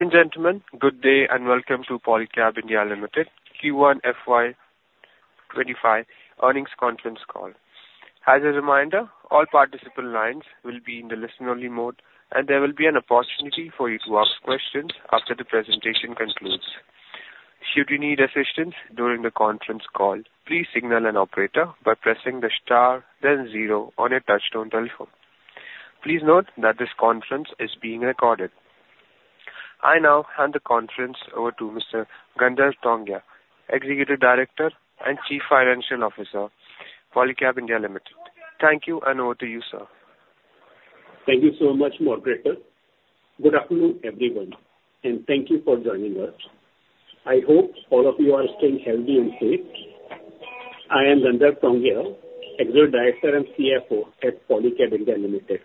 Ladies and gentlemen, good day, and welcome to Polycab India Limited Q1 FY25 earnings conference call. As a reminder, all participant lines will be in the listen-only mode, and there will be an opportunity for you to ask questions after the presentation concludes. Should you need assistance during the conference call, please signal an operator by pressing the star then zero on your touchtone telephone. Please note that this conference is being recorded. I now hand the conference over to Mr. Gandharv Tongia, Executive Director and Chief Financial Officer, Polycab India Limited. Thank you, and over to you, sir. Thank you so much, moderator. Good afternoon, everyone, and thank you for joining us. I hope all of you are staying healthy and safe. I am Gandharv Tongia, Executive Director and CFO at Polycab India Limited.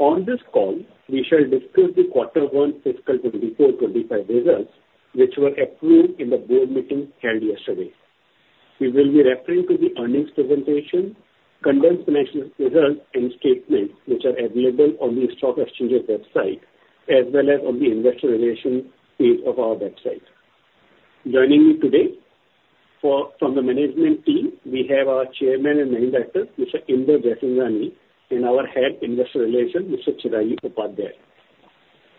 On this call, we shall discuss the quarter 1 fiscal 2024 to 2025 results, which were approved in the board meeting held yesterday. We will be referring to the earnings presentation, condensed financial results, and statements which are available on the stock exchange website as well as on the investor relations page of our website. Joining me today for, from the management team, we have our Chairman and Managing Director, Mr. Inder Jaisinghani, and our Head, Investor Relations, Mr. Chirayu Upadhyaya.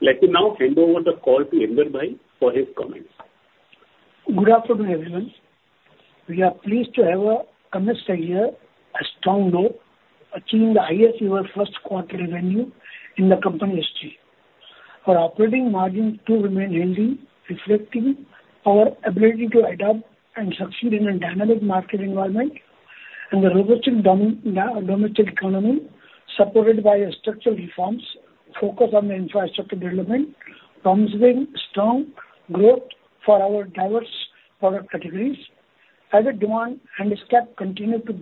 Let me now hand over the call to Inder Jaisinghani for his comments. Good afternoon, everyone. We are pleased to have commenced the year on a strong note, achieving the highest ever first quarter revenue in the company history. Our operating margins do remain healthy, reflecting our ability to adapt and succeed in a dynamic market environment and the robust domestic economy, supported by structural reforms, focus on the infrastructure development, promising strong growth for our diverse product categories. As the demand landscape continue to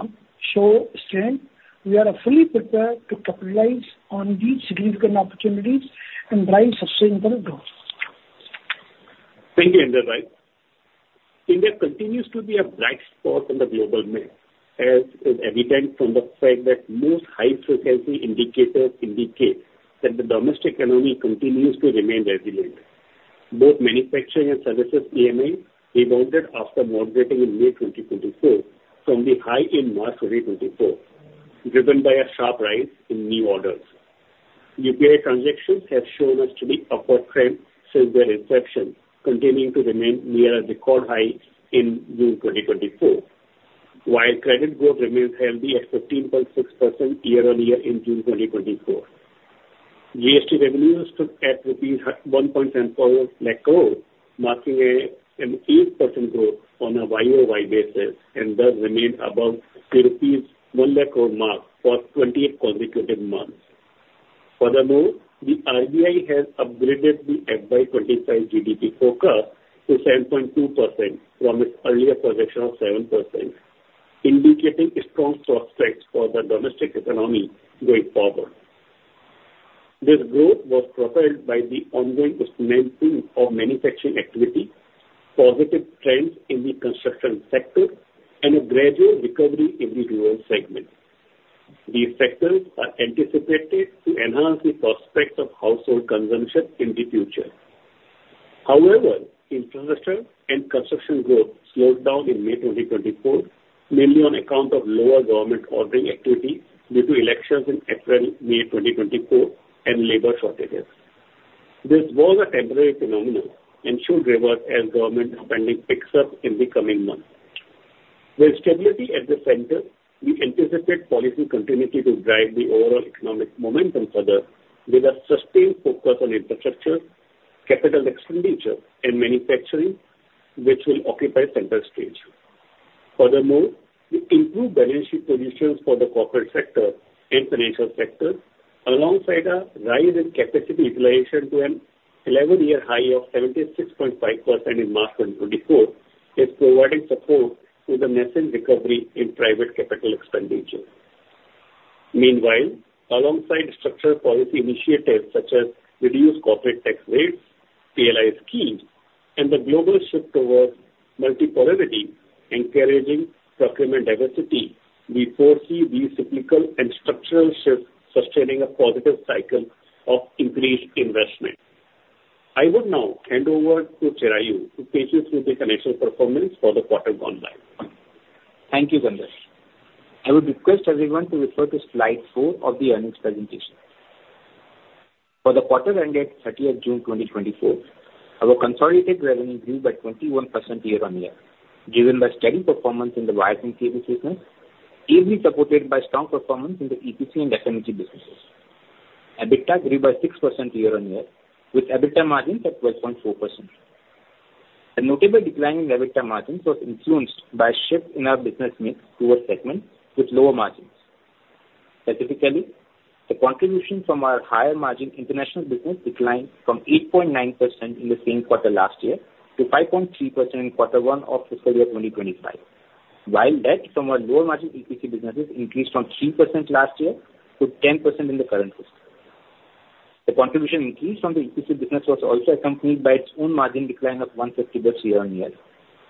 show strength, we are fully prepared to capitalize on these significant opportunities and drive sustainable growth. Thank you, Inder Bhai. India continues to be a bright spot on the global map, as is evident from the fact that most high-frequency indicators indicate that the domestic economy continues to remain resilient. Both manufacturing and services PMI rebounded after moderating in May 2024 from the high in March 2024, driven by a sharp rise in new orders. UPI transactions have shown an upward trend since their inception, continuing to remain near a record high in June 2024. While credit growth remains healthy at 13.6% year-on-year in June 2024. GST revenues stood at 174,000 crore rupees, marking an 8% growth on a YoY basis, and thus remained above the rupees 100,000 crore mark for 28 consecutive months. Furthermore, the RBI has upgraded the FY25 GDP forecast to 7.2% from its earlier projection of 7%, indicating strong prospects for the domestic economy going forward. This growth was propelled by the ongoing momentum of manufacturing activity, positive trends in the construction sector, and a gradual recovery in the rural segment. These factors are anticipated to enhance the prospects of household consumption in the future. However, infrastructure and construction growth slowed down in May 2024, mainly on account of lower government ordering activity due to elections in April, May 2024, and labor shortages. This was a temporary phenomenon and should revert as government spending picks up in the coming months. With stability at the center, we anticipate policy continuity to drive the overall economic momentum further, with a sustained focus on infrastructure, capital expenditure and manufacturing, which will occupy center stage. Furthermore, the improved balance sheet positions for the corporate sector and financial sector, alongside a rise in capacity utilization to an 11-year high of 76.5% in March 2024, is providing support to the nascent recovery in private capital expenditure. Meanwhile, alongside structural policy initiatives such as reduced corporate tax rates, PLI schemes, and the global shift towards multipolarity, encouraging procurement diversity, we foresee these cyclical and structural shifts sustaining a positive cycle of increased investment. I would now hand over to Chirayu to take you through the financial performance for the quarter gone by. Thank you, Gandharv. I would request everyone to refer to slide four of the earnings presentation. For the quarter ended thirtieth June 2024, our consolidated revenue grew by 21% year-on-year, driven by steady performance in the wiring business, easily supported by strong performance in the EPC and energy businesses. EBITDA grew by 6% year-on-year, with EBITDA margins at 12.4%. The notable decline in EBITDA margins was influenced by a shift in our business mix towards segments with lower margins. Specifically, the contribution from our higher margin international business declined from 8.9% in the same quarter last year to 5.3% in quarter 1 of fiscal year 2025, while that from our lower margin EPC businesses increased from 3% last year to 10% in the current fiscal. The contribution increase from the EPC business was also accompanied by its own margin decline of 150 basis points year-on-year,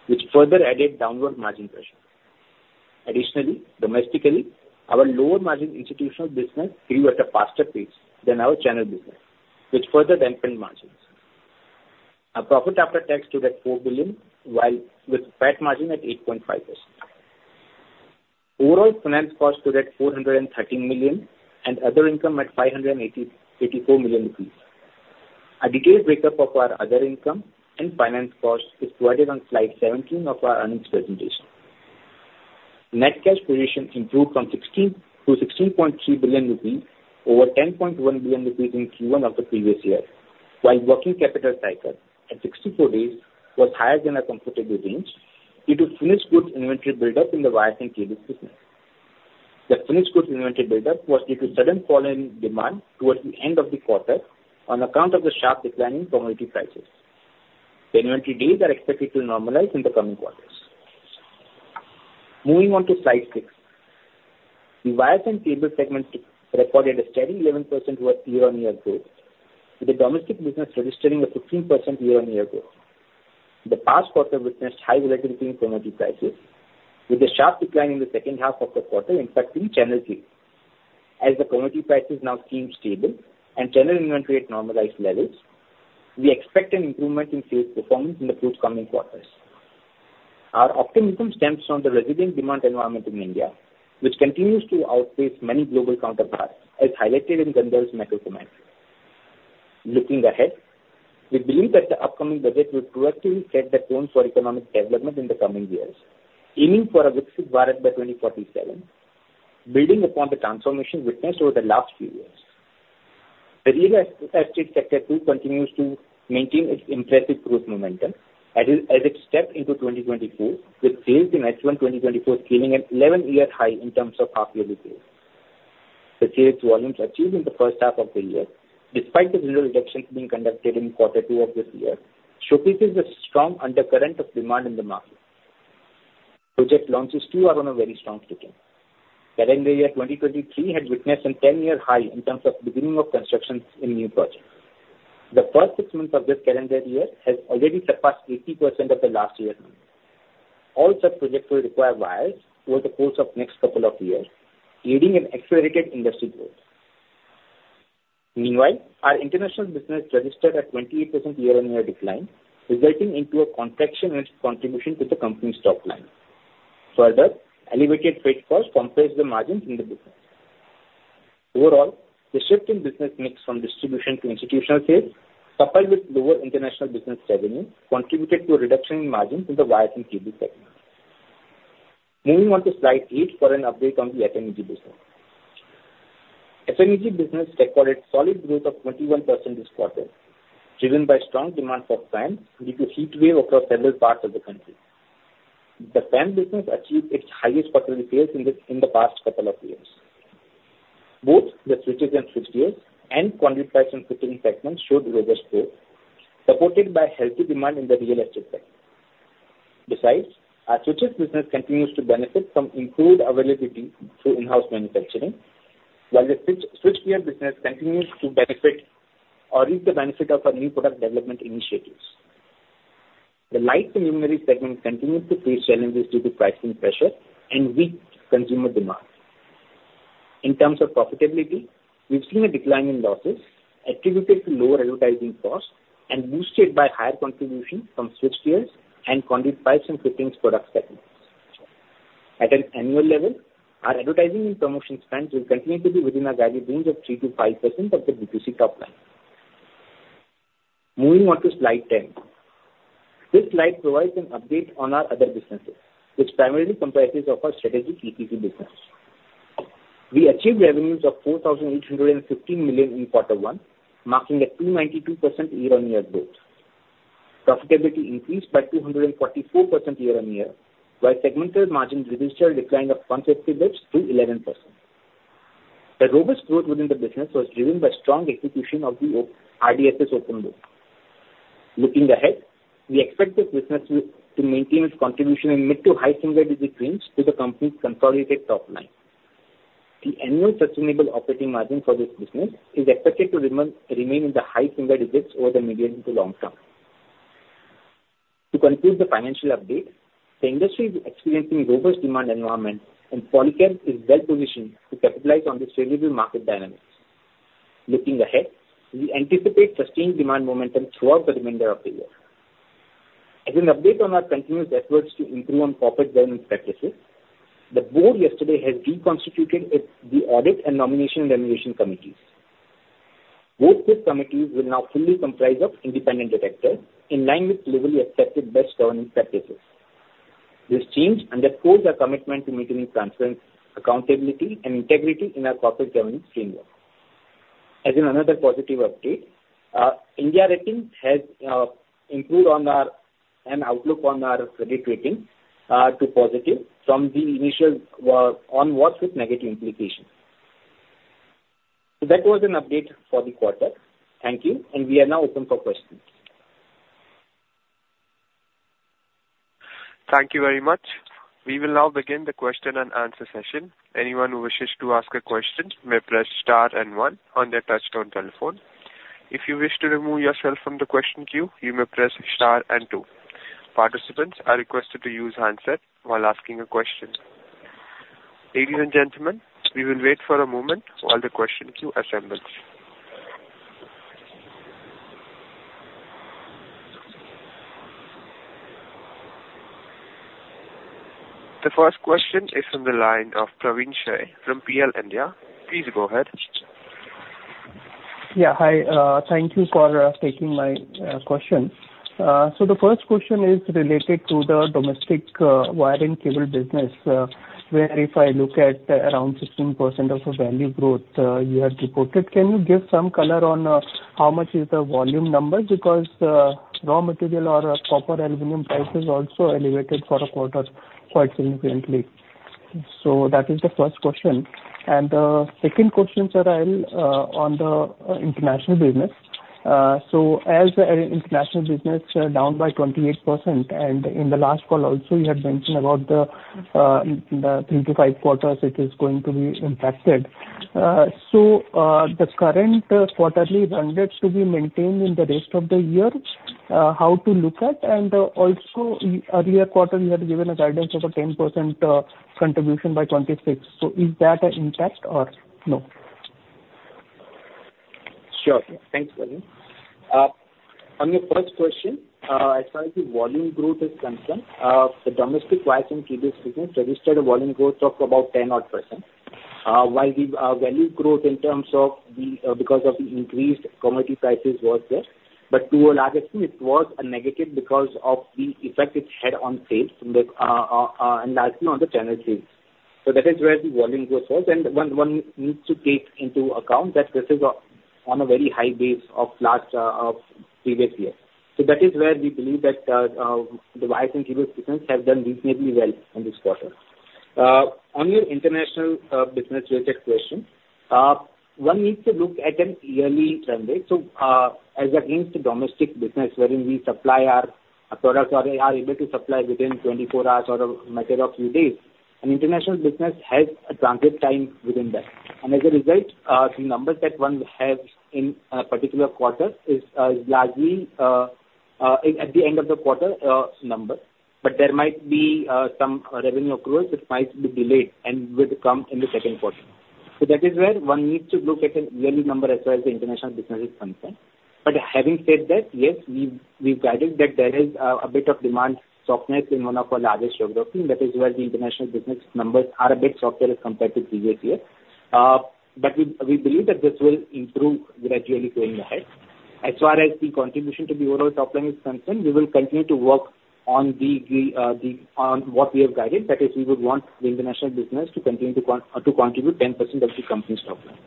which further added downward margin pressure. Additionally, domestically, our lower margin institutional business grew at a faster pace than our channel business, which further dampened margins. Our profit after tax stood at 4 billion, while with PAT margin at 8.5%. Overall, finance cost stood at 413 million, and other income at 584 million rupees. A detailed breakup of our other income and finance cost is provided on slide 17 of our earnings presentation. Net cash position improved from 16 billion to 16.3 billion rupees, over 10.1 billion rupees in Q1 of the previous year, while working capital cycle, at 64 days, was higher than our comfortable range due to finished goods inventory buildup in the Wires and Cables business. The finished goods inventory buildup was due to sudden fall in demand towards the end of the quarter on account of the sharp decline in commodity prices. The inventory days are expected to normalize in the coming quarters. Moving on to slide 6. The Wires and Cables segment recorded a steady 11% year-on-year growth, with the domestic business registering a 15% year-on-year growth. The past quarter witnessed high volatility in commodity prices, with a sharp decline in the second half of the quarter impacting channel sales. As the commodity prices now seem stable and channel inventory at normalized levels, we expect an improvement in sales performance in the forthcoming quarters. Our optimism stems from the resilient demand environment in India, which continues to outpace many global counterparts, as highlighted in Gandharv's Macro Comment. Looking ahead, we believe that the upcoming budget will proactively set the tone for economic development in the coming years, aiming for a Viksit Bharat by 2047, building upon the transformation witnessed over the last few years. The real estate sector, too, continues to maintain its impressive growth momentum as it stepped into 2024, with sales in H1 2024 scaling an eleven-year high in terms of half-yearly growth. The sales volumes achieved in the first half of the year, despite the General Elections being conducted in quarter two of this year, showcases the strong undercurrent of demand in the market. Project launches, too, are on a very strong footing. Calendar year 2023 had witnessed a 10-year high in terms of beginning of constructions in new projects. The first six months of this calendar year has already surpassed 80% of the last year's number. All such projects will require wires over the course of next couple of years, leading an accelerated industry growth. Meanwhile, our international business registered a 28% year-on-year decline, resulting into a contraction in its contribution to the company's top line. Further, elevated freight costs compressed the margins in the business. Overall, the shift in business mix from distribution to institutional sales, coupled with lower international business revenue, contributed to a reduction in margins in the Wires and Cables segment. Moving on to slide 8 for an update on the FMEG business. FMEG business recorded solid growth of 21% this quarter, driven by strong demand for fans due to heat wave across several parts of the country. The fan business achieved its highest quarterly sales in the past couple of years. Both the switches and switchgears and conduit pipes and fittings segments showed robust growth, supported by healthy demand in the real estate sector. Besides, our switches business continues to benefit from improved availability through in-house manufacturing, while the switchgear business continues to benefit or reap the benefit of our new product development initiatives. The Lights and Luminaires segment continues to face challenges due to pricing pressure and weak consumer demand. In terms of profitability, we've seen a decline in losses attributed to lower advertising costs and boosted by higher contribution from Switches and switchgear and Conduit Pipes and Fittings product segments. At an annual level, our advertising and promotion spends will continue to be within a guided range of 3% to 5% of the B2C top line. Moving on to Slide 10. This slide provides an update on our other businesses, which primarily comprises of our strategic EPC business. We achieved revenues of 4,850 million in quarter one, marking a 292% year-on-year growth. Profitability increased by 244% year-on-year, while segmental margin registered a decline of 150 basis points to 11%. The robust growth within the business was driven by strong execution of the RDSS order book. Looking ahead, we expect this business to maintain its contribution in mid- to high-single-digit range to the company's consolidated top line. The annual sustainable operating margin for this business is expected to remain in the high single digits over the medium to long-term. To conclude the financial update, the industry is experiencing robust demand environment, and Polycab is well positioned to capitalize on this favorable market dynamics. Looking ahead, we anticipate sustained demand momentum throughout the remainder of the year. As an update on our continuous efforts to improve on corporate governance practices, the board yesterday has reconstituted the Audit and Nomination and Remuneration Committees. Both these committees will now fully comprise of independent directors in line with globally accepted best governance practices. This change underscores our commitment to maintaining transparent accountability and integrity in our corporate governance framework. As in another positive update, India Ratings has improved our credit rating outlook to positive from the initial on watch with negative implications. So that was an update for the quarter. Thank you, and we are now open for questions. Thank you very much. We will now begin the question and answer session. Anyone who wishes to ask a question may press star and one on their touchtone telephone. ...If you wish to remove yourself from the question queue, you may press star and two. Participants are requested to use handset while asking a question. Ladies and gentlemen, we will wait for a moment while the question queue assembles. The first question is from the line of Praveen Sahay from PL India. Please go ahead. Yeah, hi. Thank you for taking my question. So the first question is related to the domestic wiring cable business, where if I look at around 16% of the value growth you have reported, can you give some color on how much is the volume number? Because raw material, copper, aluminum price is also elevated for a quarter quite significantly. So that is the first question. And the second question, sir, I'll on the international business. So as the international business down by 28%, and in the last call also, you had mentioned about the three to five quarters it is going to be impacted. So the current quarterly run rates to be maintained in the rest of the year, how to look at? And, also, earlier quarter, you had given a guidance of a 10% contribution by 2026. So is that an impact or no? Sure. Thanks, Praveen. On your first question, as far as the volume growth is concerned, the domestic wires and cables business registered a volume growth of about 10 odd percent. While the value growth in terms of the because of the increased commodity prices was there, but to a large extent, it was a negative because of the effect it had on sales and largely on the channel sales. So that is where the volume growth was. And one needs to take into account that this is on a very high base of previous year. So that is where we believe that the wires and cables business have done reasonably well in this quarter. On your international business related question, one needs to look at a yearly trend data. So, as against domestic business, wherein we supply our products or are able to supply within 24 hours or a matter of few days, an international business has a transit time within that. And as a result, the numbers that one has in a particular quarter is, largely, at the end of the quarter, number. But there might be, some revenue accrual that might be delayed and would come in the second quarter. So that is where one needs to look at a yearly number as far as the international business is concerned. But having said that, yes, we've, we've guided that there is, a bit of demand softness in one of our largest geography, and that is where the international business numbers are a bit softer as compared to previous year. But we believe that this will improve gradually going ahead. As far as the contribution to the overall top line is concerned, we will continue to work on what we have guided, that is, we would want the international business to continue to contribute 10% of the company's top line.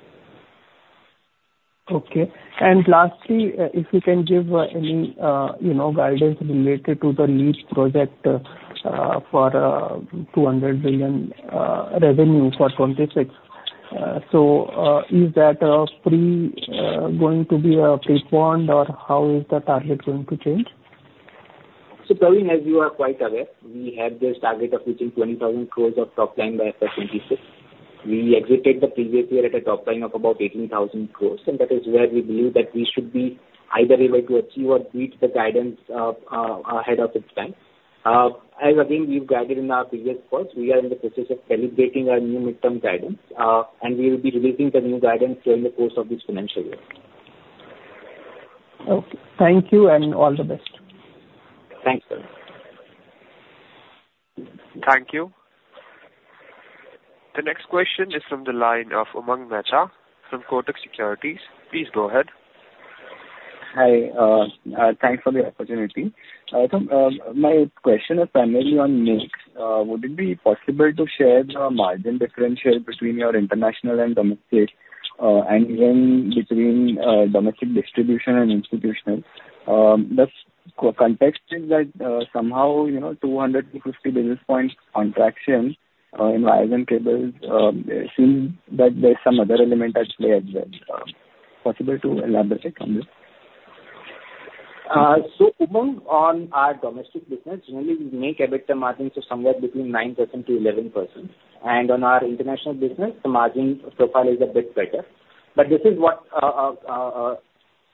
Okay. Lastly, if you can give any, you know, guidance related to the LEAP project for 200 billion revenue for 2026. Is that going to be preponed, or how is the target going to change? So, Praveen, as you are quite aware, we have this target of reaching 20,000 crore of top line by FY 2026. We executed the previous year at a top line of about 18,000 crore, and that is where we believe that we should be either able to achieve or beat the guidance ahead of its time. As again, we've guided in our previous calls, we are in the process of calibrating our new midterm guidance, and we will be releasing the new guidance during the course of this financial year. Okay. Thank you, and all the best. Thanks, Praveen. Thank you. The next question is from the line of Umang Mehta from Kotak Securities. Please go ahead. Hi. Thanks for the opportunity. So, my question is primarily on mix. Would it be possible to share the margin differential between your international and domestic, and even between domestic distribution and institutional? The context is that somehow, you know, 200 to 50 basis points contraction in wires and cables seems that there's some other element at play as well. Possible to elaborate on this? So, Umang, on our domestic business, generally, we make EBITDA margins of somewhere between 9% to 11%. On our international business, the margin profile is a bit better. This is what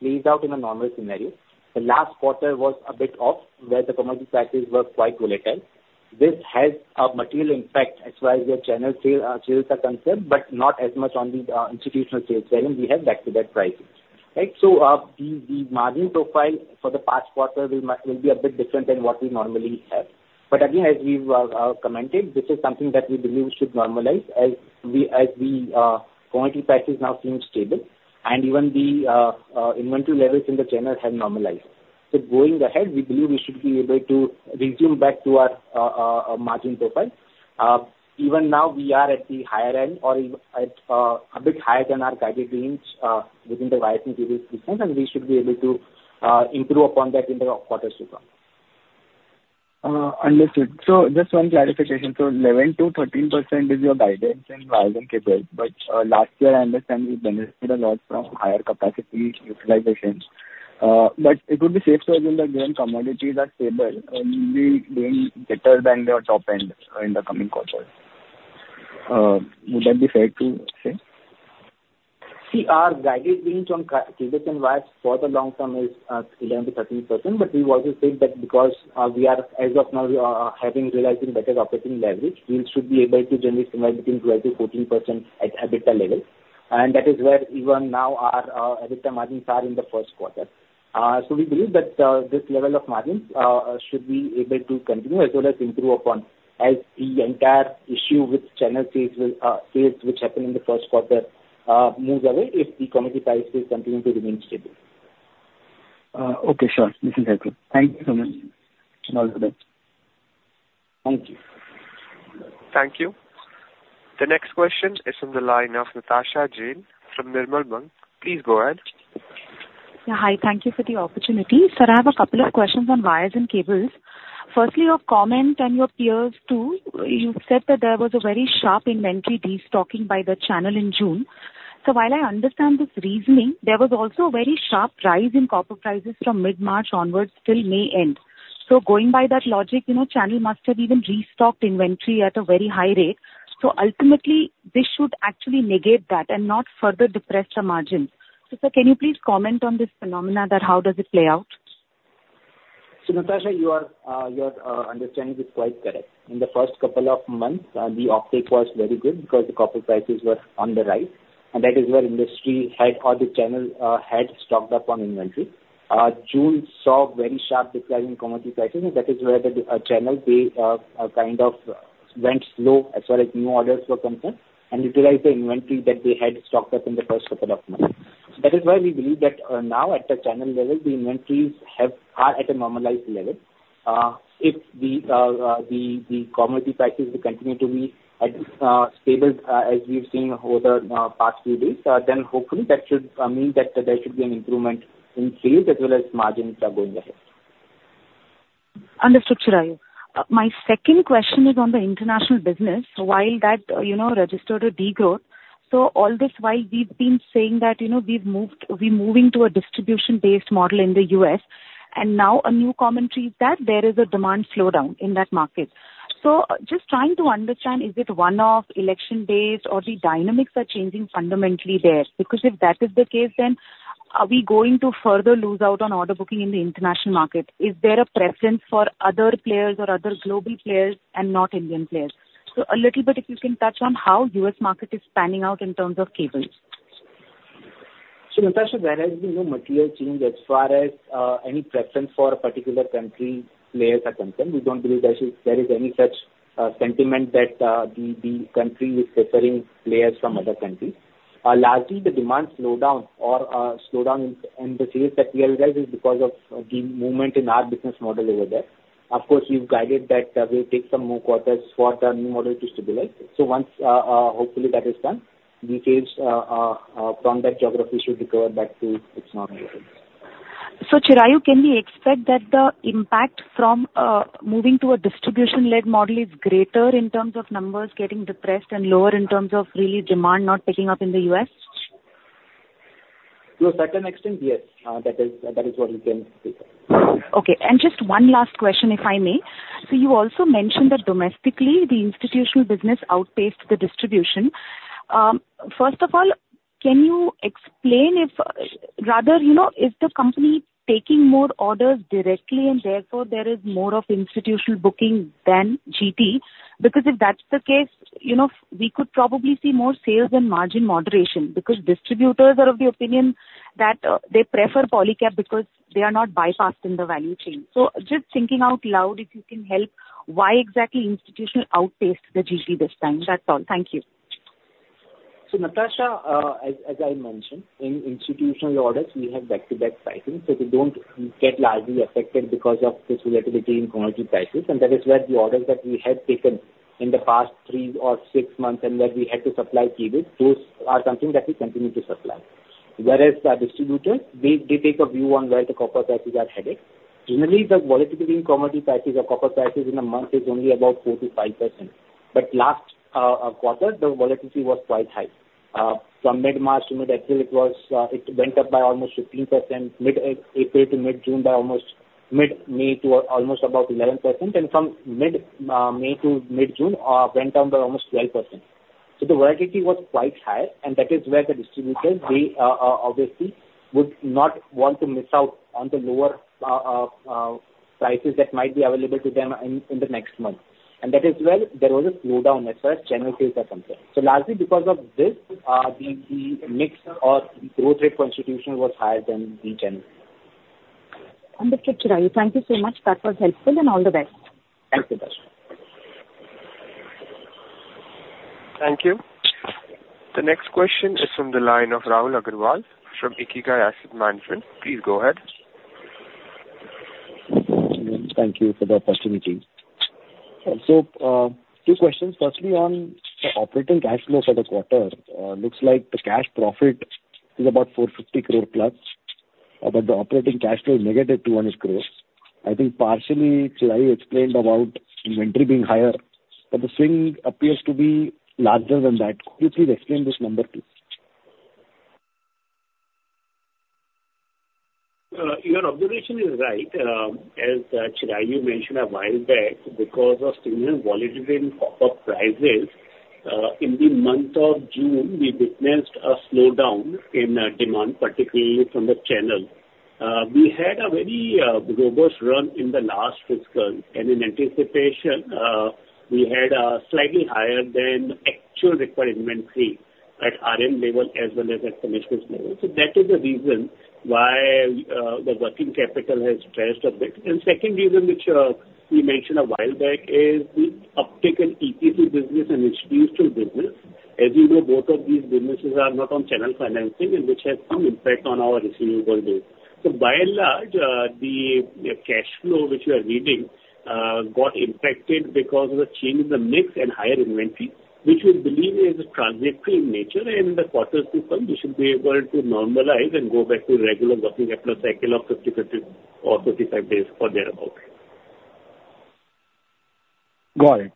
plays out in a normal scenario. The last quarter was a bit off, where the commodity prices were quite volatile. This has a material impact as far as their channel sales are concerned, but not as much on the institutional sales, wherein we have back-to-back prices. Right. So, the margin profile for the past quarter will be a bit different than what we normally have. Again, as we've commented, this is something that we believe should normalize as commodity prices now seem stable, and even the inventory levels in the channel have normalized. So going ahead, we believe we should be able to resume back to our margin profile. Even now, we are at the higher end or even at a bit higher than our guided range within the wires and cables business, and we should be able to improve upon that in the quarters to come. Understood. So just one clarification. So 11% to 13% is your guidance in wires and cables, but last year I understand you benefited a lot from higher capacity utilization. But it would be safe to assume that given commodities are stable, you'll be doing better than your top end in the coming quarters?... would that be fair to say? See, our guidance range on cables and wires for the long term is 11% to 13%, but we also said that because we are, as of now, realizing better operating leverage, we should be able to generate somewhere between 12% to 14% at EBITDA level. And that is where even now our EBITDA margins are in the first quarter. So we believe that this level of margins should be able to continue as well as improve upon as the entire issue with channel sales, sales, which happened in the first quarter moves away if the commodity prices continue to remain stable. Okay, sure. This is helpful. Thank you so much, and all the best. Thank you. Thank you. The next question is from the line of Natasha Jain from Nirmal Bang. Please go ahead. Yeah, hi. Thank you for the opportunity. Sir, I have a couple of questions on wires and cables. Firstly, your comment and your peers, too, you said that there was a very sharp inventory destocking by the channel in June. So while I understand this reasoning, there was also a very sharp rise in copper prices from mid-March onwards till May end. So going by that logic, you know, channel must have even restocked inventory at a very high rate. So ultimately, this should actually negate that and not further depress the margins. So sir, can you please comment on this phenomenon that how does it play out? So, Natasha, you are, your, understanding is quite correct. In the first couple of months, the uptake was very good because the copper prices were on the rise, and that is where industry had or the channel, had stocked up on inventory. June saw very sharp decline in commodity prices, and that is where the, channel, they, kind of went slow as far as new orders were concerned and utilized the inventory that they had stocked up in the first couple of months. That is why we believe that, now at the channel level, the inventories have, are at a normalized level. If the commodity prices continue to be at stable, as we've seen over the past few days, then hopefully that should mean that there should be an improvement in sales as well as margins going ahead. Understood, Chirayu. My second question is on the international business. While that, you know, registered a degrowth, so all this while we've been saying that, you know, we've moved we're moving to a distribution-based model in the US, and now a new commentary that there is a demand slowdown in that market. So just trying to understand, is it one-off election days or the dynamics are changing fundamentally there? Because if that is the case, then are we going to further lose out on order booking in the international market? Is there a preference for other players or other global players and not Indian players? So a little bit, if you can touch on how US market is panning out in terms of cables. So, Natasha, there has been no material change as far as any preference for a particular country players are concerned. We don't believe there is any such sentiment that the country is preferring players from other countries. Largely, the demand slowdown or slowdown in the sales that we realize is because of the movement in our business model over there. Of course, we've guided that we'll take some more quarters for the new model to stabilize. So once, hopefully that is done, the sales from that geography should recover back to its normal levels. So, Chirayu, can we expect that the impact from moving to a distribution-led model is greater in terms of numbers getting depressed and lower in terms of really demand not picking up in the US? To a certain extent, yes, that is, that is what we can say. Okay, and just one last question, if I may. So you also mentioned that domestically, the institutional business outpaced the distribution. First of all, can you explain if, rather, you know, is the company taking more orders directly and therefore there is more of institutional booking than GT? Because if that's the case, you know, we could probably see more sales and margin moderation, because distributors are of the opinion that they prefer Polycab because they are not bypassed in the value chain. So just thinking out loud, if you can help, why exactly institutional outpaced the GT this time? That's all. Thank you. So, Natasha, as, as I mentioned, in institutional orders, we have back-to-back pricing, so they don't get largely affected because of this volatility in commodity prices, and that is where the orders that we had taken in the past three to six months, and that we had to supply cables, those are something that we continue to supply. Whereas the distributors, they, they take a view on where the copper prices are headed. Generally, the volatility in commodity prices or copper prices in a month is only about 4% to 5%. But last quarter, the volatility was quite high. From mid-March to mid-April, it was, it went up by almost 15%, mid-April to mid-June by almost mid-May to almost about 11%, and from mid-May to mid-June, went down by almost 12%. The volatility was quite high, and that is where the distributors, they obviously would not want to miss out on the lower prices that might be available to them in the next month. That is where there was a slowdown as far as channel sales are concerned. Largely because of this, the mix or growth rate contribution was higher than the general. Understood, Chirayu. Thank you so much. That was helpful, and all the best. Thank you, Natasha. Thank you. The next question is from the line of Rahul Agarwal from Ikigai Asset Management. Please go ahead. Thank you for the opportunity. So, two questions. Firstly, on the operating cash flow for the quarter, looks like the cash profit is about 450 crore plus, but the operating cash flow negative 200 crores. I think partially Chirayu explained about inventory being higher, but the swing appears to be larger than that. Could you please explain this number, please?... Your observation is right. As Chirayu mentioned a while back, because of steel volatility and copper prices, in the month of June, we witnessed a slowdown in demand, particularly from the channel. We had a very robust run in the last fiscal, and in anticipation, we had a slightly higher than actual requirement inventory at RM level as well as at finished goods level. So that is the reason why the working capital has stressed a bit. And second reason, which we mentioned a while back, is the uptick in EPC business and institutional business. As you know, both of these businesses are not on channel financing and which has some impact on our receivables base. So by and large, the cash flow which you are reading got impacted because of the change in the mix and higher inventory, which we believe is transitory in nature, and the quarters to come, we should be able to normalize and go back to regular working capital cycle of 50/50 or 35 days or thereabout. Got it.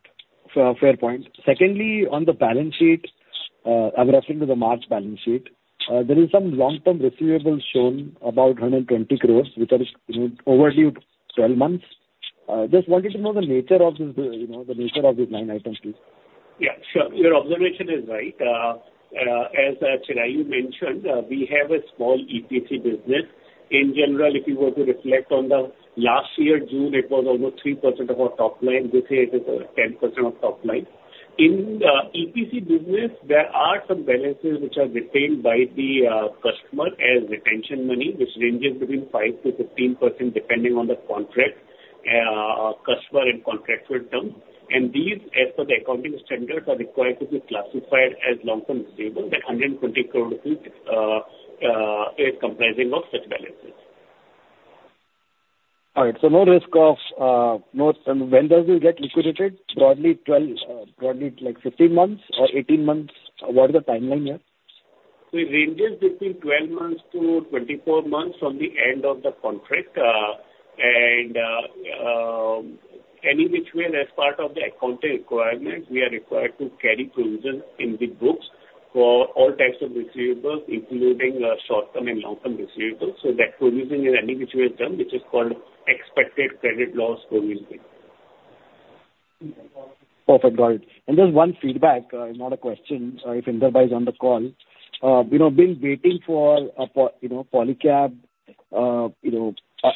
So fair point. Secondly, on the balance sheet, I'm referring to the March balance sheet. There is some long-term receivables shown, about 120 crore, which are, you know, overdue 12 months. Just wanted to know the nature of this, you know, the nature of this line item, please. Yeah, sure. Your observation is right. As Chirayu mentioned, we have a small EPC business. In general, if you were to reflect on the last year, June, it was almost 3% of our top line. This year it is 10% of top line. In the EPC business, there are some balances which are retained by the customer as retention money, which ranges between 5% to 15%, depending on the contract, customer and contractual terms. And these, as per the accounting standards, are required to be classified as long-term receivables. That 120 crore rupees is comprising of such balances. All right, so no risk of no. When does it get liquidated? Broadly 12, broadly like 15 months or 18 months? What is the timeline here? It ranges between 12 to 24 months from the end of the contract. And, any which way, as part of the accounting requirement, we are required to carry provision in the books for all types of receivables, including short-term and long-term receivables, so that provision is any which way done, which is called expected credit loss provision. Perfect. Got it. Just one feedback, not a question, if Inder is on the call. You know, been waiting for a Polycab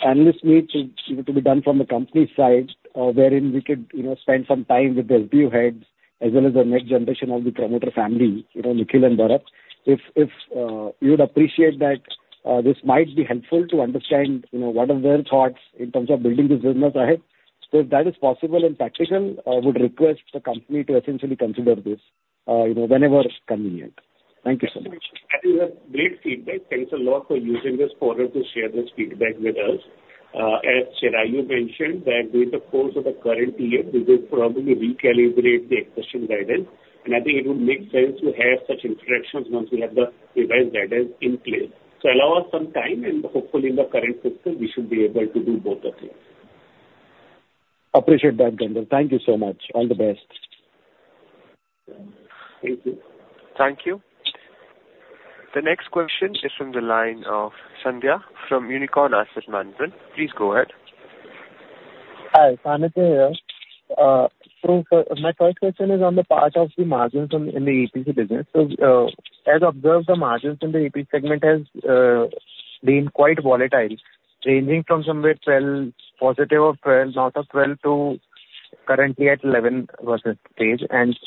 analyst meet to be done from the company's side, wherein we could spend some time with the BU heads, as well as the next generation of the promoter family, you know, Nikhil and Bharat. If you would appreciate that, this might be helpful to understand what are their thoughts in terms of building this business ahead. If that is possible and practical, I would request the company to essentially consider this, whenever it's convenient. Thank you so much. I think that's great feedback. Thanks a lot for using this forum to share this feedback with us. As Chirayu mentioned, that during the course of the current year, we will probably recalibrate the expression guidance, and I think it would make sense to have such interactions once we have the revised guidance in place. So allow us some time, and hopefully in the current quarter, we should be able to do both of them. Appreciate that, Inder. Thank you so much. All the best. Thank you. Thank you. The next question is from the line of Sanitha C. from Unicorn Asset Management. Please go ahead. Hi, Sanitha here. So my first question is on the part of the margins on, in the EPC business. So, as observed, the margins in the EPC segment has been quite volatile, ranging from somewhere 12, positive of 12, north of 12 to currently at 11 versus stage, and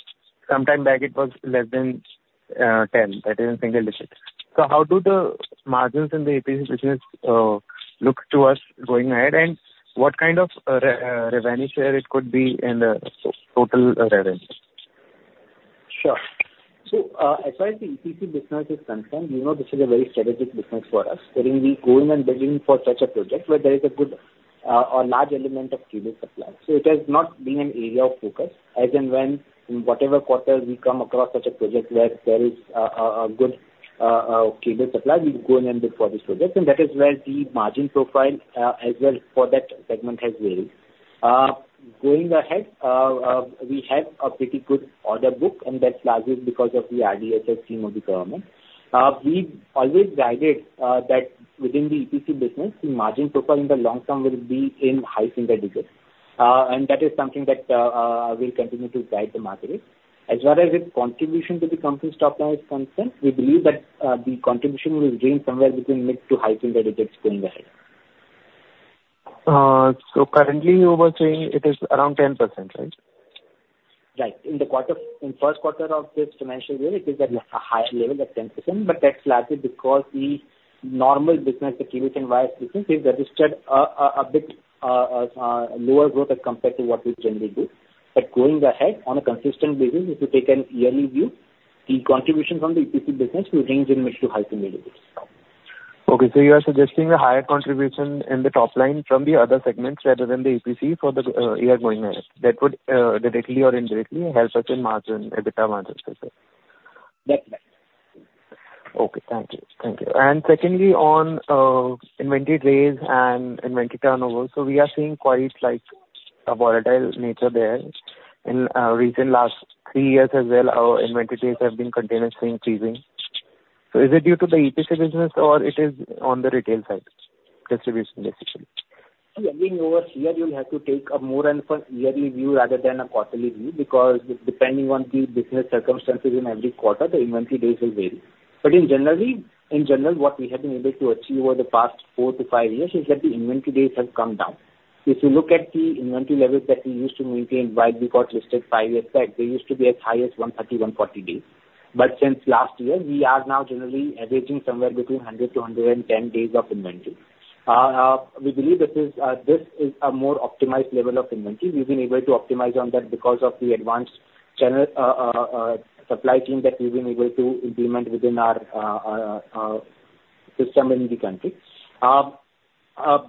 sometime back it was less than 10, that is in single digits. So how do the margins in the EPC business look to us going ahead? And what kind of revenue share it could be in the total revenue? Sure. So, as far as the EPC business is concerned, you know, this is a very strategic business for us, wherein we go in and bidding for such a project where there is a good, or large element of cable supply. So it has not been an area of focus. As and when, in whatever quarter we come across such a project where there is a good cable supply, we go in and bid for this project, and that is where the margin profile, as well for that segment has varied. Going ahead, we have a pretty good order book, and that's largely because of the RDSS scheme of the government. We've always guided, that within the EPC business, the margin profile in the long term will be in high single digits. That is something that we'll continue to guide the market. As well as with contribution to the company's top line is concerned, we believe that the contribution will range somewhere between mid to high single digits going ahead. Currently you were saying it is around 10%, right? Right. In the quarter, in first quarter of this financial year, it is at a higher level of 10%, but that's largely because the normal business, the cable and wire business, has registered a bit lower growth as compared to what we generally do. But going ahead on a consistent basis, if you take a yearly view, the contribution from the EPC business will range in mid to high single digits. Okay, so you are suggesting a higher contribution in the top line from the other segments rather than the EPC for the year going ahead. That would directly or indirectly help us in margin, EBITDA margin? That's right. Okay, thank you. Thank you. And secondly, on inventory days and inventory turnover, so we are seeing quite a volatile nature there. In recent last three years as well, our inventory days have been continuously increasing. So is it due to the EPC business or it is on the retail side, distribution basically? Again, over here, you'll have to take a more annual view rather than a quarterly view, because depending on the business circumstances in every quarter, the inventory days will vary. But generally, in general, what we have been able to achieve over the past four to five years is that the inventory days have come down. If you look at the inventory levels that we used to maintain while we got listed 5 years back, they used to be as high as 130 to 140 days. But since last year, we are now generally averaging somewhere between 100 to 110 days of inventory. We believe this is a more optimized level of inventory. We've been able to optimize on that because of the advanced channel, supply chain that we've been able to implement within our, system in the country.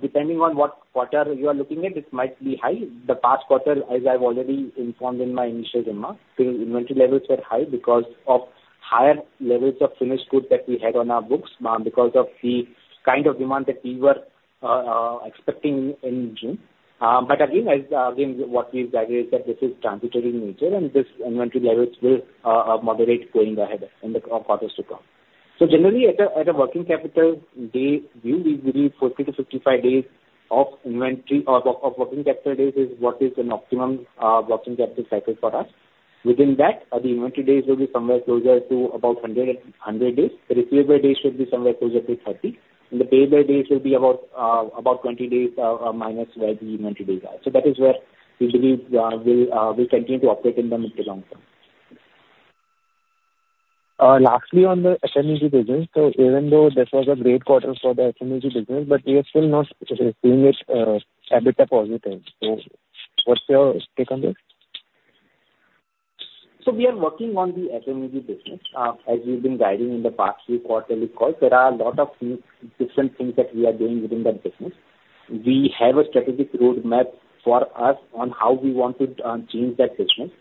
Depending on what quarter you are looking at, it might be high. The past quarter, as I've already informed in my initial remarks, the inventory levels were high because of higher levels of finished goods that we had on our books, because of the kind of demand that we were, expecting in June. But again, what we've guided is that this is transitory nature, and this inventory levels will, moderate going ahead in the, quarters to come. So generally, at a working capital day view, we believe 40 to 55 days of inventory or of working capital days is what is an optimum working capital cycle for us. Within that, the inventory days will be somewhere closer to about 100 days. The receivable days should be somewhere closer to 30, and the pay by days will be about 20 days minus where the inventory days are. So that is where we believe we'll continue to operate in the medium long term. Lastly, on the FMEG business. So even though this was a great quarter for the FMEG business, but we are still not seeing it EBITDA positive. So what's your take on this? So we are working on the FMEG business. As we've been guiding in the past few quarterly calls, there are a lot of new, different things that we are doing within that business. We have a strategic roadmap for us on how we want to change that business.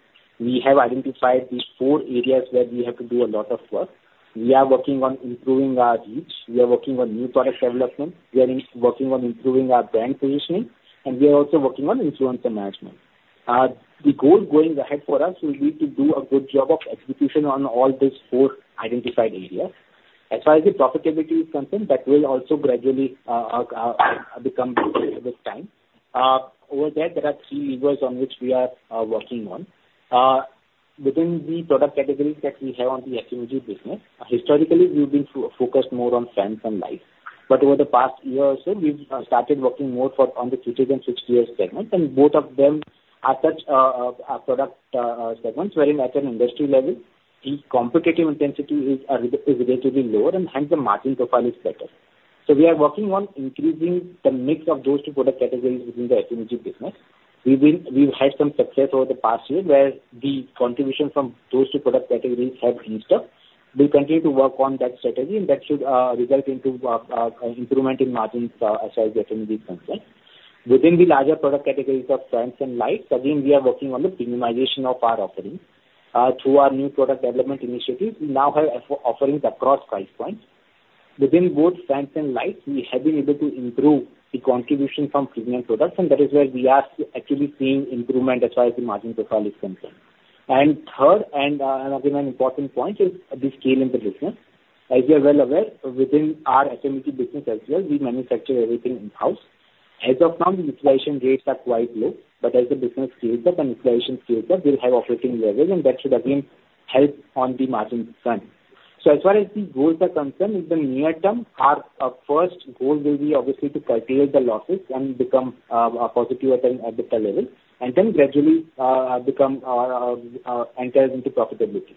We have identified the four areas where we have to do a lot of work. We are working on improving our reach, we are working on new product development, we are working on improving our brand positioning, and we are also working on influencer management. The goal going ahead for us will be to do a good job of execution on all these four identified areas. As far as the profitability is concerned, that will also gradually become better with time. Over there, there are three levers on which we are working on. Within the product categories that we have on the FMEG business, historically, we've been focused more on fans and lights. But over the past year or so, we've started working more on the kitchen and switches segment, and both of them are such a product segments, where in at an industry level, the competitive intensity is relatively lower and hence the margin profile is better. So we are working on increasing the mix of those two product categories within the FMEG business. We've had some success over the past year, where the contribution from those two product categories have increased. We'll continue to work on that strategy, and that should result into improvement in margins, as far as FMEG is concerned. Within the larger product categories of fans and lights, again, we are working on the premiumization of our offerings. Through our new product development initiative, we now have four offerings across price points. Within both fans and lights, we have been able to improve the contribution from premium products, and that is where we are actually seeing improvement as far as the margin profile is concerned. And third, and, another one important point is the scale in the business. As you are well aware, within our FMEG business as well, we manufacture everything in-house. As of now, the utilization rates are quite low, but as the business scales up and utilization scales up, we'll have operating leverage, and that should again help on the margin front. So as far as the goals are concerned, in the near term, our first goal will be obviously to calculate the losses and become positive at an EBITDA level, and then gradually enter into profitability.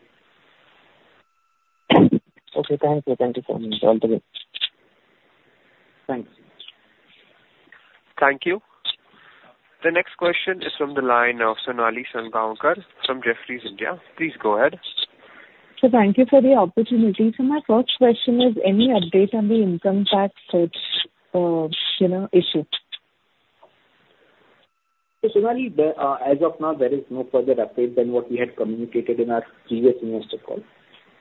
Okay, thank you. Thank you so much. All the best. Thank you. Thank you. The next question is from the line of Sonali Salgaonkar from Jefferies India. Please go ahead. So thank you for the opportunity. So my first question is, any update on the income tax, you know, issue? So Sonali, as of now, there is no further update than what we had communicated in our previous investor call.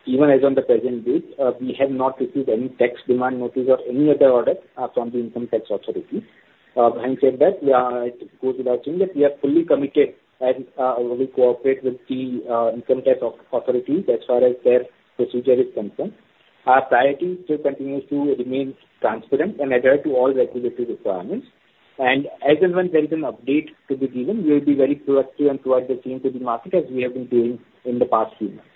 Even as on the present date, we have not received any tax demand notice or any other order from the income tax authority. Having said that, it goes without saying that we are fully committed and we cooperate with the income tax authority as far as their procedure is concerned. Our priority still continues to remain transparent and adhere to all regulatory requirements. And as and when there is an update to be given, we will be very proactive and towards the same to the market as we have been doing in the past few months.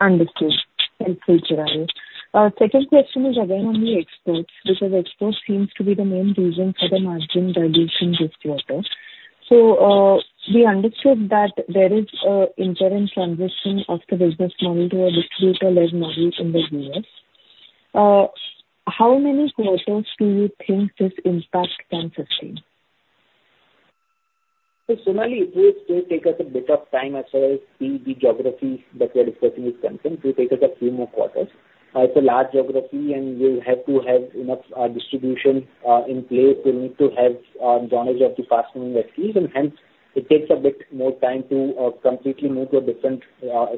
Understood. Thank you, Chirayu. Second question is again on the exports, because exports seems to be the main reason for the margin dilution this quarter. So, we understood that there is a interim transition of the business model to a distributor-led model in the US. How many quarters do you think this impact can sustain? So Sonali, it will still take us a bit of time as well as the geography that we're discussing is concerned. It will take us a few more quarters. It's a large geography, and we'll have to have enough distribution in place. We'll need to have knowledge of the fastening sleeves, and hence it takes a bit more time to completely move to a different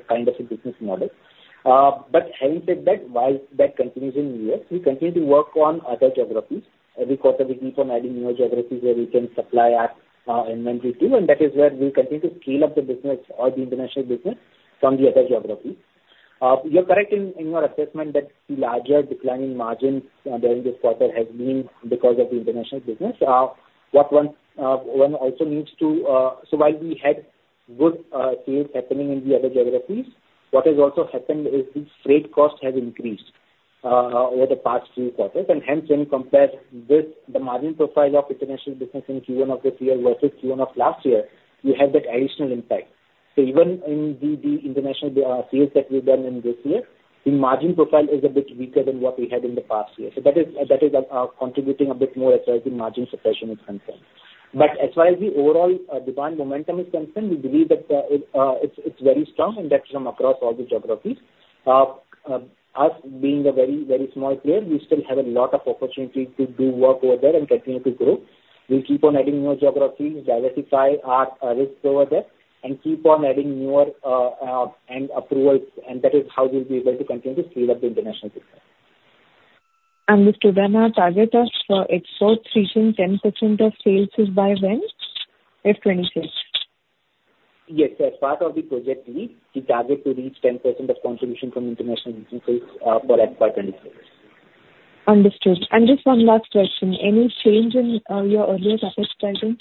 kind of a business model. But having said that, while that continues in U.S., we continue to work on other geographies. Every quarter, we keep on adding new geographies where we can supply our inventory to, and that is where we continue to scale up the business or the international business from the other geographies. You're correct in your assessment that the larger declining margins during this quarter has been because of the international business. What one also needs to... So while we had good sales happening in the other geographies, what has also happened is the freight cost has increased over the past few quarters. And hence, when we compare this, the margin profile of international business in Q1 of this year versus Q1 of last year, you have that additional impact. So even in the international sales that we've done in this year, the margin profile is a bit weaker than what we had in the past year. So that is, that is, contributing a bit more as far as the margin suppression is concerned. But as far as the overall demand momentum is concerned, we believe that it it's very strong, and that's from across all the geographies. Us being a very, very small player, we still have a lot of opportunity to do work over there and continue to grow. We'll keep on adding more geographies, diversify our risks over there, and keep on adding more end approvals, and that is how we'll be able to continue to scale up the international business. Understood. Our target of export reaching 10% of sales is by when? By 2026. Yes. As part of the Project LEAP, we target to reach 10% contribution from international business for FY 26. Understood. Just one last question. Any change in your earlier CapEx guidance?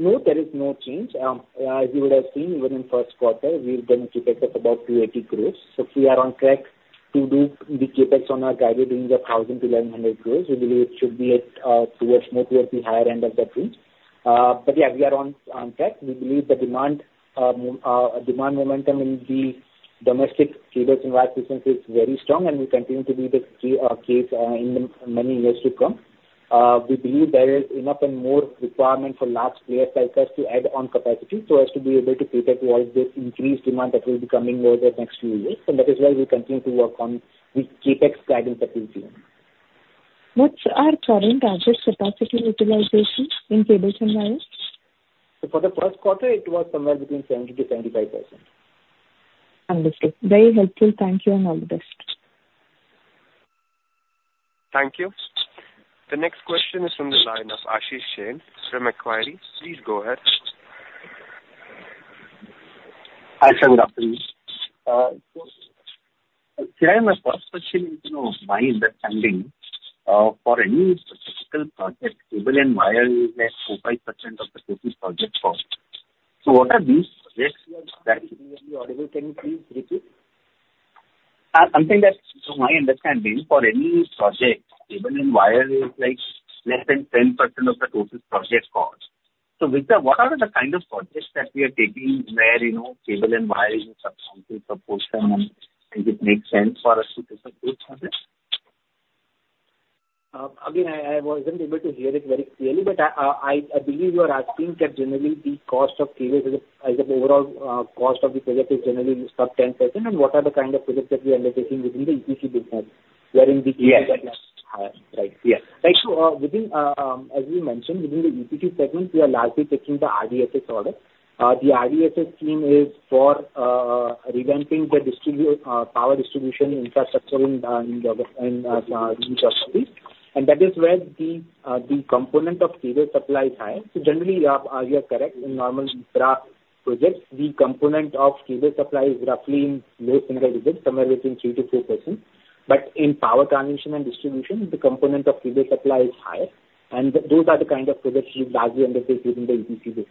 No, there is no change. As you would have seen, even in first quarter, we've done CapEx of about 280 crores. So we are on track to do the CapEx on our guided range of 1,000 crores-1,100 crores. We believe it should be at, towards, more towards the higher end of that range. But yeah, we are on track. We believe the demand momentum in the domestic cables and wires business is very strong, and will continue to be the key case in the many years to come. We believe there is enough and more requirement for large player like us to add on capacity, so as to be able to cater to all the increased demand that will be coming over the next few years, and that is why we continue to work on the CapEx guidance that we've given. What's our current target capacity utilization in cables and wires? For the first quarter, it was somewhere between 70% to 75%. Understood. Very helpful. Thank you, and all the best. Thank you. The next question is from the line of Ashish Jain from Macquarie. Please go ahead. Hi, good afternoon. So can I have my first question into, you know, my understanding, for any specific project, cable and wire is like 4% to 5% of the total project cost. So what are these projects that- Sorry, can you please repeat? I'm saying that to my understanding, for any project, cable and wire is like less than 10% of the total project cost. So with that, what are the kind of projects that we are taking where, you know, cable and wire is a substantial proportion, and it makes sense for us to take up those projects? Again, I wasn't able to hear it very clearly, but I believe you are asking that generally the cost of cables is, as the overall cost of the project is generally sub 10%, and what are the kind of projects that we are undertaking within the EPC business, wherein the- Yes. Right. Yes. So, as we mentioned, within the EPC segment, we are largely taking the RDSS order. The RDSS scheme is for revamping the power distribution infrastructure in India. And that is where the component of cable supply is high. So generally, you are correct. In normal infra projects, the component of cable supply is roughly in low single digits, somewhere between 3% to 4%. But in power transmission and distribution, the component of cable supply is higher, and those are the kind of projects we largely undertake within the EPC business.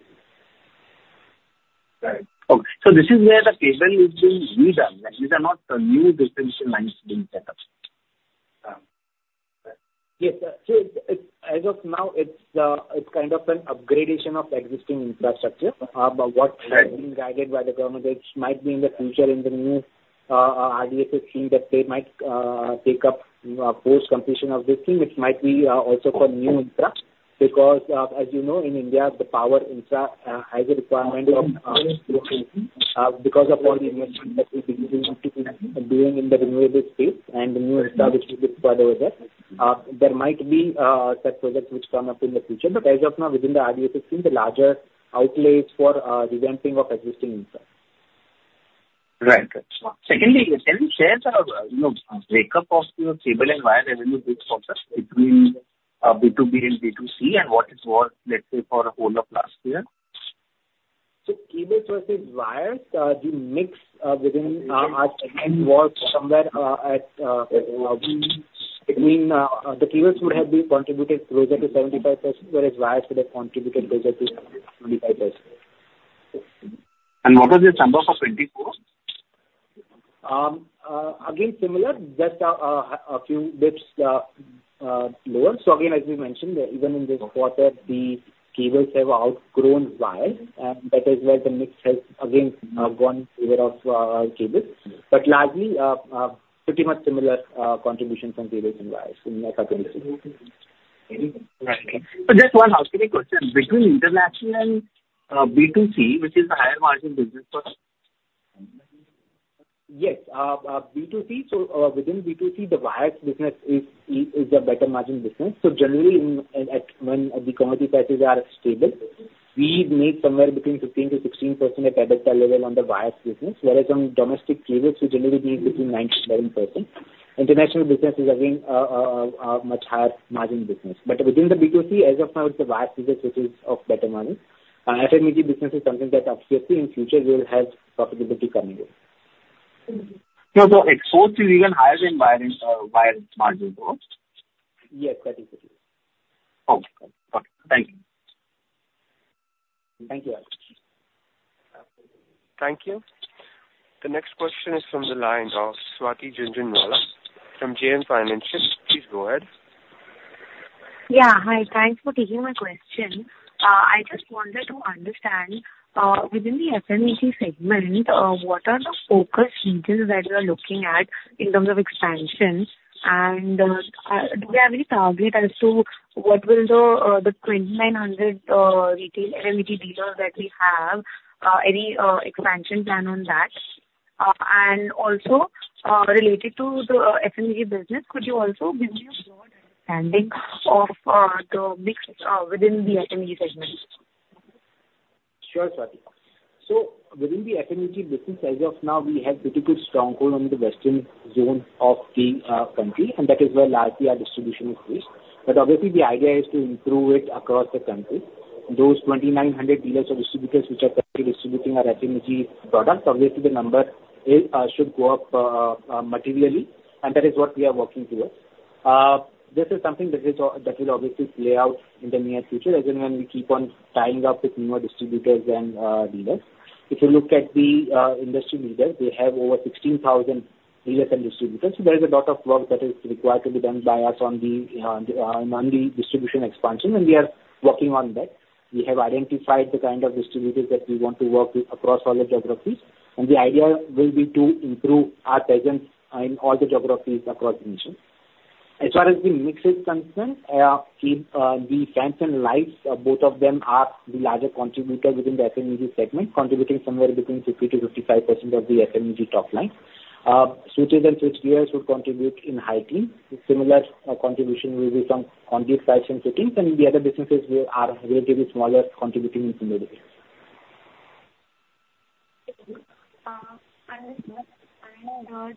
Right. Okay. So this is where the cable is being redone, these are not new distribution lines being set up? Right. Yes, so it's, as of now, it's kind of an upgradation of the existing infrastructure. But what- Right. Is being guided by the government, which might be in the future, in the new, RDSS scheme, that they might, take up, post-completion of this scheme, which might be, also for new infra. Because, as you know, in India, the power infra, has a requirement of, because of all the investment that we've been doing in the renewable space and the new infra which will be further over. There might be, such projects which come up in the future, but as of now, within the RDSS scheme, the larger outlays for, revamping of existing infra. Right. Secondly, can you share the, you know, breakup of your cable and wire revenue mix for us between, B2B and B2C, and what it was, let's say, for the whole of last year? So, cables versus wires, the mix within our was somewhere between the cables would have been contributed closer to 75%, whereas wires would have contributed closer to 25%. What was this number for 2024? Again, similar, just a few bits lower. So again, as we mentioned, even in this quarter, the cables have outgrown wires, and that is where the mix has again gone in favor of cables. But largely, pretty much similar contribution from cables and wires in my opinion. Right. So just one housekeeping question. Between international and B2C, which is the higher margin business for us? Yes. B2C, so within B2C, the wires business is a better margin business. So generally, when the commodity prices are stable, we made somewhere between 15%-16% at EBITDA level on the wire business, whereas on domestic cables, we generally make between 9% to 10%. International business is again a much higher margin business. But within the B2C, as of now, it's the wire business which is of better margin. And FMEG business is something that obviously, in future will have profitability coming in. So, so export is even higher than building wire margin, though? Yes, that is it. Oh, okay. Thank you. Thank you. Thank you. The next question is from the line of Swati Jhunjhunwala from JM Financial. Please go ahead. Yeah, hi. Thanks for taking my question. I just wanted to understand, within the FMEG segment, what are the focus regions that you are looking at in terms of expansion? And, do you have any target as to what will the 2,900 retail FMEG dealers that we have, any expansion plan on that? And also, related to the FMEG business, could you also give me a broad understanding of the mix within the FMEG segment? Sure, Swati. So within the FMEG business, as of now, we have pretty good stronghold on the western zone of the country, and that is where largely our distribution is based. But obviously, the idea is to improve it across the country. Those 2,900 dealers or distributors which are currently distributing our FMEG products, obviously, the number is should go up materially, and that is what we are working towards. This is something that that will obviously play out in the near future as and when we keep on tying up with newer distributors and dealers. If you look at the industry leaders, they have over 16,000 dealers and distributors. So there is a lot of work that is required to be done by us on the on the distribution expansion, and we are working on that. We have identified the kind of distributors that we want to work with across all the geographies, and the idea will be to improve our presence in all the geographies across the nation. As far as the mix is concerned, the fans and lights, both of them are the larger contributors within the FMEG segment, contributing somewhere between 50% to 55% of the FMEG top line. Switches and switchgear would contribute in high teens. Similar, contribution will be from conduit pipes and fittings, and the other businesses will, are relatively smaller, contributing in single digits.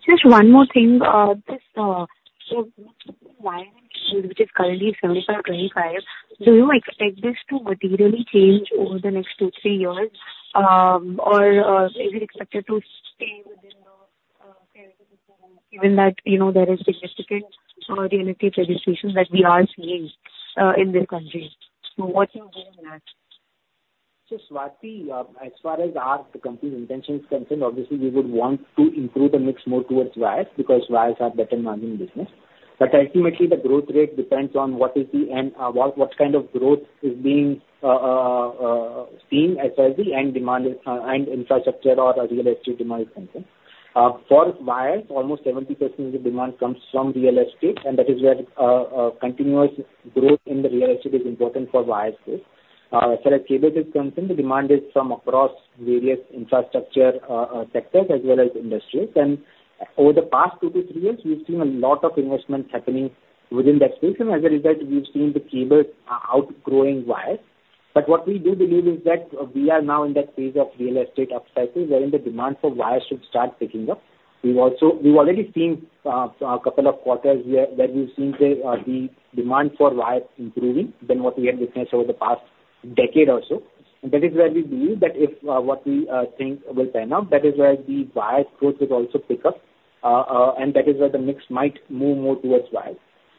Just one more thing. This, which is currently 75 to 25, do you expect this to materially change over the next two, three years? Or, is it expected to stay within the, given that, you know, there is significant real estate registration that we are seeing in this country. So what's your view on that? So, Swati, as far as our company's intention is concerned, obviously, we would want to improve the mix more towards wires, because wires are better margin business. But ultimately, the growth rate depends on what kind of growth is being seen as well the end demand, and infrastructure or real estate demand is concerned. For wires, almost 70% of the demand comes from real estate, and that is where continuous growth in the real estate is important for wires growth. As far as cables is concerned, the demand is from across various infrastructure sectors as well as industries. And over the past two to three years, we've seen a lot of investments happening within that space, and as a result, we've seen the cables outgrowing wires. But what we do believe is that we are now in that phase of real estate upcycle, wherein the demand for wires should start picking up. We've also already seen a couple of quarters where we've seen the demand for wires improving than what we had witnessed over the past decade or so. And that is where we believe that if what we think will pan out, that is where the wire growth will also pick up, and that is where the mix might move more towards wires.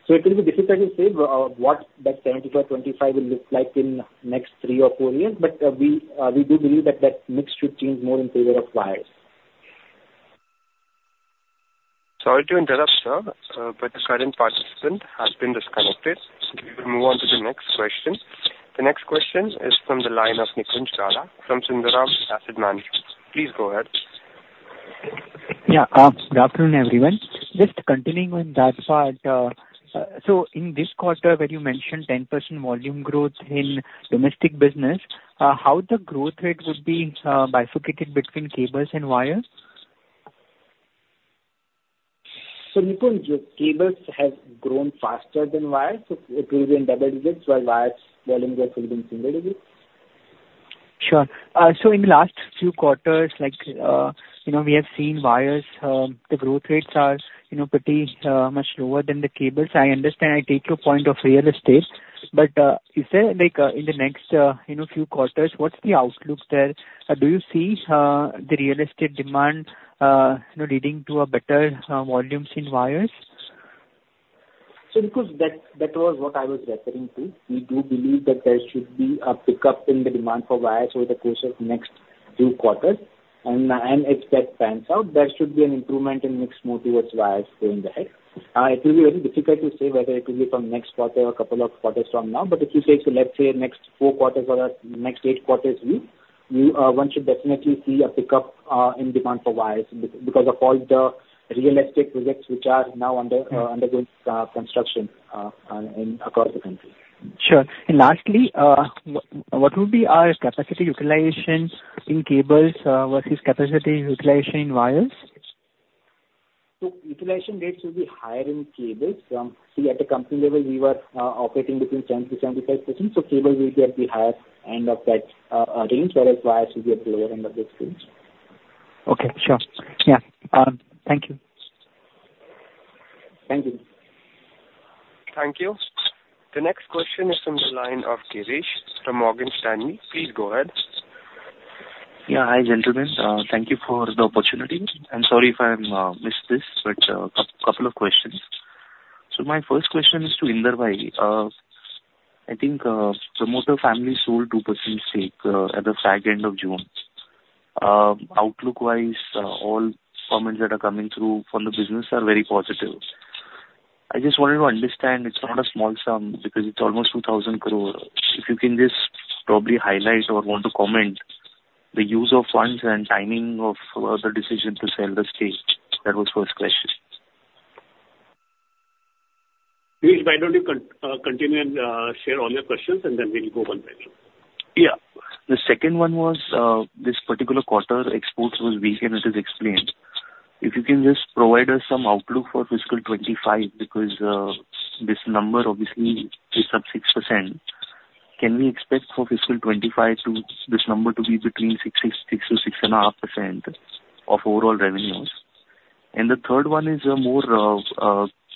So it will be difficult to say what that 75, 25 will look like in next three or four years, but we do believe that that mix should change more in favor of wires. Sorry to interrupt, sir, but the current participant has been disconnected. We will move on to the next question. The next question is from the line of Nikunj Gala from Sundaram Asset Management. Please go ahead. Yeah, good afternoon, everyone. Just continuing on that part, so in this quarter where you mentioned 10% volume growth in domestic business, how the growth rate would be bifurcated between cables and wires? So Nikunj, cables has grown faster than wires, so it will be in double digits, while wires volume growth will be single digits. Sure. So in the last few quarters, like, you know, we have seen wires, the growth rates are, you know, pretty, much lower than the cables. I understand, I take your point of real estate, but, is there, like, in the next, you know, few quarters, what's the outlook there? Do you see, the real estate demand, you know, leading to a better, volumes in wires? So Nikunj, that was what I was referring to. We do believe that there should be a pickup in the demand for wires over the course of next 2 quarters. And if that pans out, there should be an improvement in mix more towards wires going ahead. It will be very difficult to say whether it will be from next quarter or couple of quarters from now, but if you say, so let's say next 4 quarters or next 8 quarters view, you one should definitely see a pickup in demand for wires because of all the real estate projects which are now undergoing construction across the country. Sure. And lastly, what would be our capacity utilization in cables, versus capacity utilization in wires?... So utilization rates will be higher in cables. At the company level, we were operating between 10% to 75%, so cables will be at the higher end of that range, whereas wires will be at the lower end of this range. Okay, sure. Yeah. Thank you. Thank you. Thank you. The next question is from the line of Girish from Morgan Stanley. Please go ahead. Yeah. Hi, gentlemen. Thank you for the opportunity, and sorry if I missed this, but a couple of questions. So my first question is to Inder Bhai. I think promoter family sold 2% stake at the back end of June. Outlook wise, all comments that are coming through from the business are very positive. I just wanted to understand, it's not a small sum, because it's almost 2,000 crore. If you can just probably highlight or want to comment, the use of funds and timing of the decision to sell the stake. That was first question. Girish, why don't you continue and share all your questions and then we'll go one by one. Yeah. The second one was, this particular quarter, exports was weak, and it is explained. If you can just provide us some outlook for fiscal 2025, because, this number obviously is up 6%. Can we expect for fiscal 2025 to this number to be between 6.6% to 6.5% of overall revenues? And the third one is, more,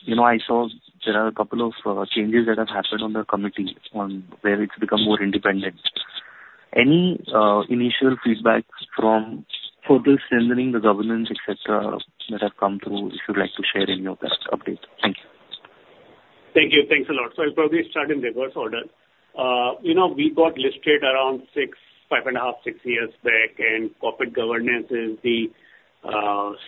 you know, I saw there are a couple of, changes that have happened on the committee on, where it's become more independent. Any, initial feedback from further strengthening the governance, et cetera, that have come through, if you'd like to share in your current update? Thank you. Thank you. Thanks a lot. So I'll probably start in reverse order. You know, we got listed around 6, 5.5, 6 years back, and corporate governance is the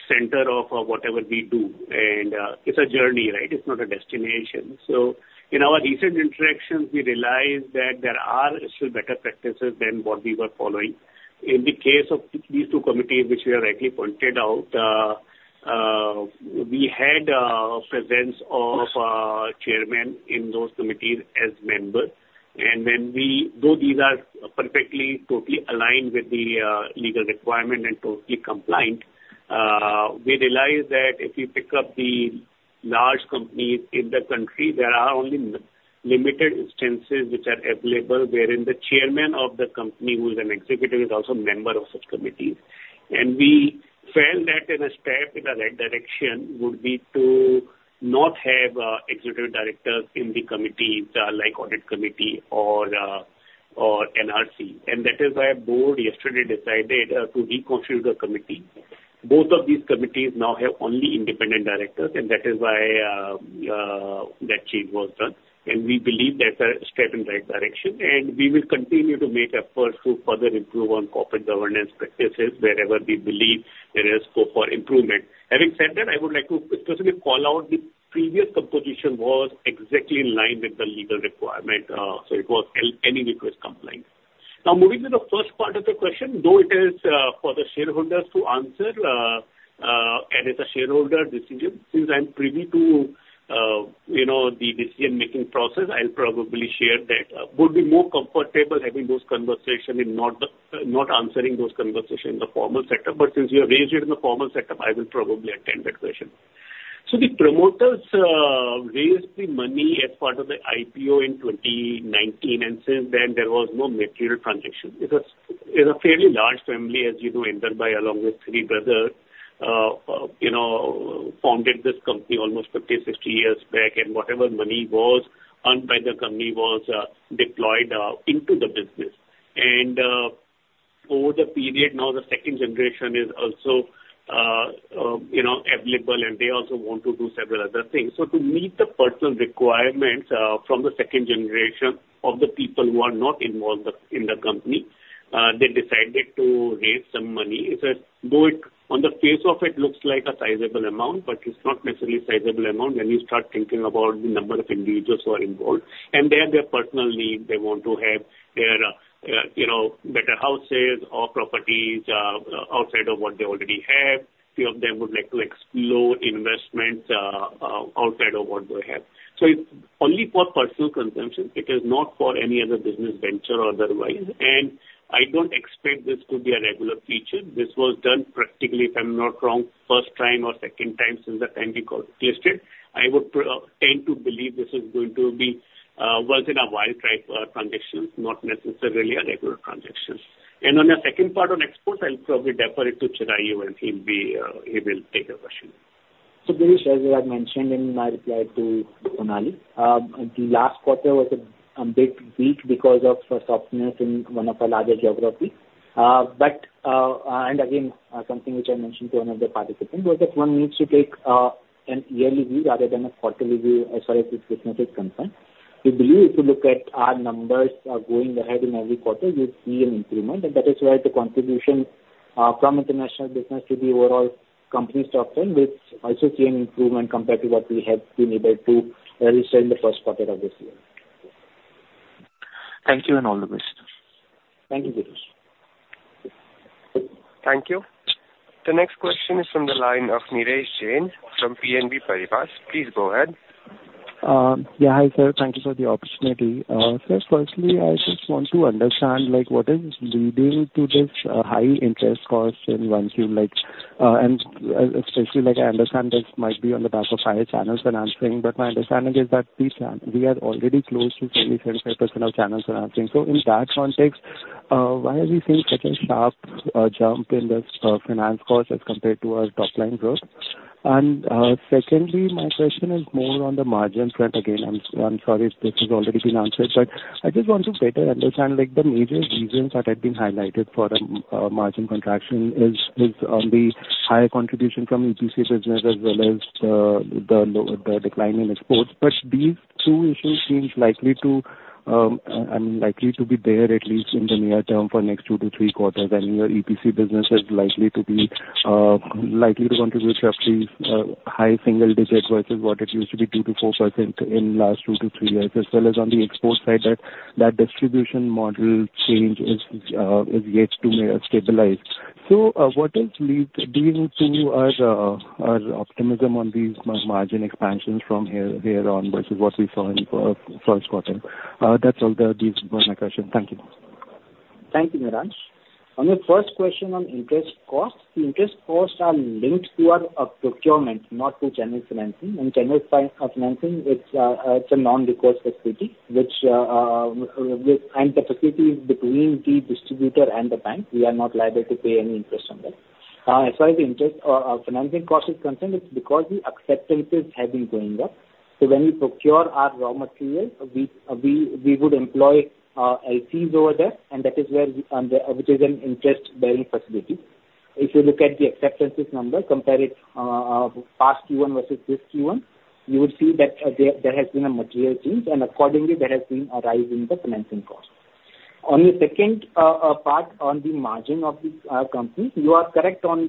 center of whatever we do. And it's a journey, right? It's not a destination. So in our recent interactions, we realized that there are still better practices than what we were following. In the case of these two committees, which you rightly pointed out, we had a presence of chairman in those committees as members. And when we—though these are perfectly, totally aligned with the legal requirement and totally compliant, we realized that if you pick up the large companies in the country, there are only limited instances which are available, wherein the chairman of the company, who is an executive, is also member of such committees. We felt that a step in the right direction would be to not have executive director in the committee, like audit committee or NRC. That is why board yesterday decided to reconstitute the committee. Both of these committees now have only independent directors, and that is why that change was done. We believe that's a step in the right direction, and we will continue to make efforts to further improve on corporate governance practices wherever we believe there is scope for improvement. Having said that, I would like to specifically call out, the previous composition was exactly in line with the legal requirement, so it was SEBI compliant. Now, moving to the first part of the question, though it is for the shareholders to answer, and it's a shareholder decision, since I'm privy to, you know, the decision-making process, I'll probably share that. Would be more comfortable having those conversations and not answering those conversations in the formal sector. But since you have raised it in the formal sector, I will probably attend that session. So the promoters raised the money as part of the IPO in 2019, and since then, there was no material transaction. It's a fairly large family, as you know, Inder Bhai, along with three brothers, you know, founded this company almost 50, 60 years back, and whatever money was earned by the company was deployed into the business. And, over the period, now the second generation is also, you know, available, and they also want to do several other things. So to meet the personal requirements, from the second generation of the people who are not involved in the company, they decided to raise some money. It is... Though it, on the face of it, looks like a sizable amount, but it's not necessarily a sizable amount when you start thinking about the number of individuals who are involved. And they have their personal needs. They want to have their, you know, better houses or properties, outside of what they already have. Few of them would like to explore investments, outside of what they have. So it's only for personal consumption. It is not for any other business venture or otherwise, and I don't expect this to be a regular feature. This was done practically, if I'm not wrong, first time or second time since the time we got listed. I would tend to believe this is going to be once in a while type transaction, not necessarily a regular transaction. On the second part on exports, I'll probably defer it to Chirayu, and he'll be, he will take your question. So Girish, as I mentioned in my reply to Sonali, the last quarter was a bit weak because of a softness in one of our larger geographies. But and again, something which I mentioned to one of the participants, was that one needs to take a yearly view rather than a quarterly view as far as this business is concerned. We believe if you look at our numbers, going ahead in every quarter, you see an improvement, and that is why the contribution from international business to the overall company's income, which also see an improvement compared to what we have been able to register in the first quarter of this year. Thank you, and all the best. Thank you, Girish. Thank you. The next question is from the line of Neeraj Jain from BNP Paribas. Please go ahead. Yeah, hi, sir. Thank you for the opportunity. Sir, firstly, I just want to understand, like, what is leading to this high interest cost in Q1, like, and especially, like, I understand this might be on the back of higher channel financing, but my understanding is that we can, we are already close to 20% to 35% of channel financing. So in that context, why are we seeing such a sharp jump in this finance cost as compared to our top line growth? And secondly, my question is more on the margin front. Again, I'm sorry if this has already been answered, but I just want to better understand, like, the major reasons that have been highlighted for the margin contraction is on the higher contribution from EPC business as well as the decline in exports. But these two issues seems likely to, I mean, likely to be there at least in the near term for next two to three quarters, and your EPC business is likely to contribute roughly high single digit versus what it used to be, 2% to 4% in last two to three years. As well as on the export side, that distribution model change is yet to stabilize. So, what is leading to our optimism on these margin expansions from here on versus what we saw in the first quarter? That's all. These were my questions. Thank you. Thank you, Neeraj. On your first question on interest costs, the interest costs are linked to our procurement, not to general financing. In general financing, it's a non-recourse facility, and the facility is between the distributor and the bank. We are not liable to pay any interest on that. As far as the interest or financing cost is concerned, it's because the acceptances have been going up. So when we procure our raw materials, we would employ LCs over there, and that is where which is an interest-bearing facility. If you look at the acceptances number, compare it past Q1 versus this Q1, you would see that there has been a material change, and accordingly, there has been a rise in the financing cost. On the second part, on the margin of the company, you are correct on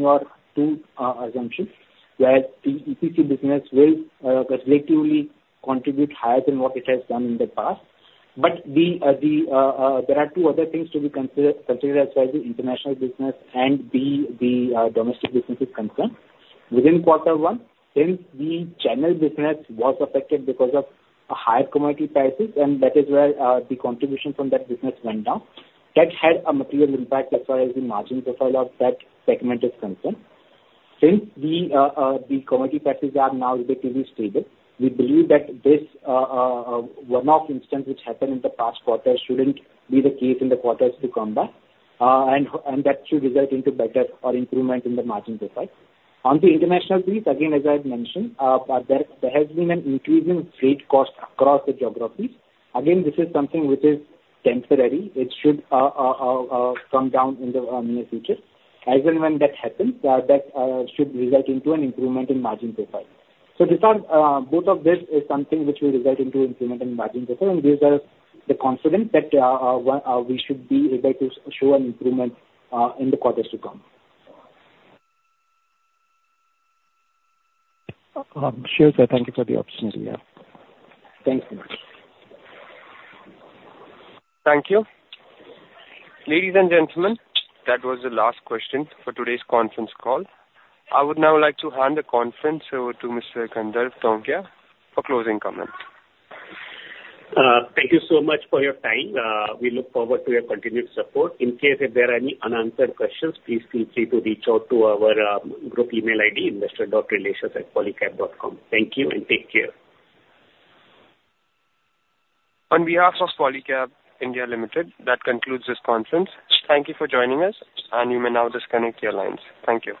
your two assumptions, where the EPC business will relatively contribute higher than what it has done in the past. But there are two other things to be considered as far as the international business and the domestic business is concerned. Within quarter one, since the general business was affected because of higher commodity prices, and that is where the contribution from that business went down. That had a material impact as far as the margin profile of that segment is concerned. Since the commodity prices are now relatively stable, we believe that this one-off instance which happened in the past quarter shouldn't be the case in the quarters to come, and that should result into better or improvement in the margin profile. On the international piece, again, as I had mentioned, there has been an increase in freight costs across the geographies. Again, this is something which is temporary. It should come down in the near future. As and when that happens, that should result into an improvement in margin profile. So these are both of this is something which will result into improvement in margin profile, and these are the confidence that we should be able to show an improvement in the quarters to come. Sure, sir. Thank you for the opportunity. Yeah. Thank you so much. Thank you. Ladies and gentlemen, that was the last question for today's conference call. I would now like to hand the conference over to Mr. Gandharv Tongia for closing comments. Thank you so much for your time. We look forward to your continued support. In case if there are any unanswered questions, please feel free to reach out to our group email ID, investor.relations@polycab.com. Thank you, and take care. On behalf of Polycab India Limited, that concludes this conference. Thank you for joining us, and you may now disconnect your lines. Thank you.